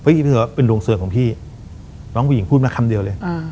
คิดว่าเป็นดวงเสือของพี่น้องผู้หญิงพูดมาคำเดียวเลย